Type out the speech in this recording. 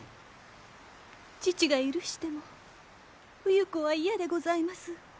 父が許しても冬子は嫌でございます。